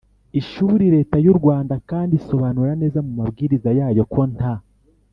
ishuri. leta y'u rwanda kandi isobanura neza mu mabwiriza yayo, ko nta